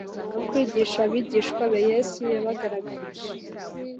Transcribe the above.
Mu kwigisha abigishwa be, Yesu yabagaragarije